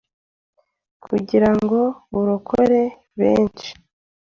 kugira ngo burokore benshi